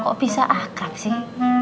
kok bisa akrab sih